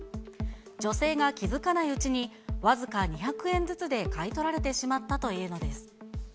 女性が気付かないうちに僅か２００円ずつで買い取られてしまったというのです。